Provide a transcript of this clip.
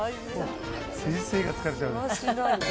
先生が疲れちゃうね。